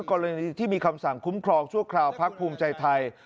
กรณีที่มีคำสั่งคุ้มครองชั่วคราวพักภูมิใจไทย